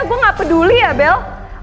gue gak peduli ya bel